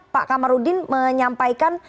pak kamarudin menyampaikan